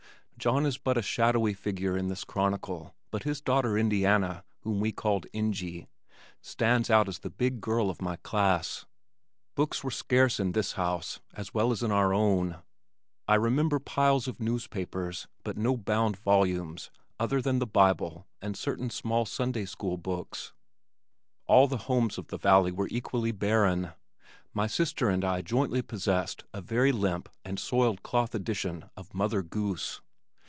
John is but a shadowy figure in this chronicle but his daughter Indiana, whom we called "Ingie," stands out as the big girl of my class. Books were scarce in this house as well as in our own. I remember piles of newspapers but no bound volumes other than the Bible and certain small Sunday school books. All the homes of the valley were equally barren. My sister and I jointly possessed a very limp and soiled cloth edition of "Mother Goose."